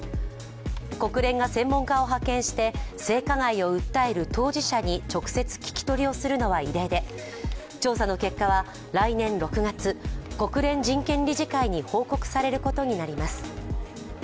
国連が専門家を派遣して性加害を訴える当事者に直接聞き取りをするのは異例で調査の結果は来年６月、国連人権理事会に報告されることになります。